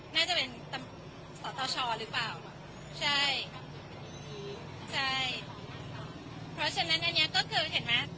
น่าจะเป็นสตชหรือเปล่าใช่ใช่เพราะฉะนั้นอันนี้ก็คือเห็นไหม